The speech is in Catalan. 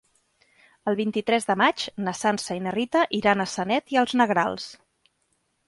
El vint-i-tres de maig na Sança i na Rita iran a Sanet i els Negrals.